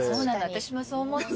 私もそう思った。